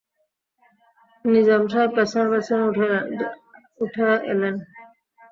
নিজাম সাহেব পেছনে-পেছনে উঠে এলেন।